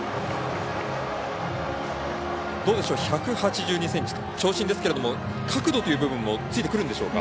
１８２ｃｍと長身ですけれども角度という部分もついてくるんでしょうか？